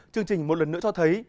chương trình một lần nữa cho thấy